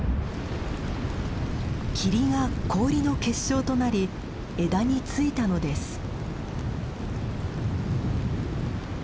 霧が氷の結晶となり枝に付いたのです。